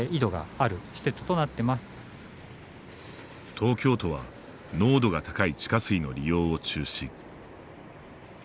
東京都は濃度が高い地下水の利用を中止。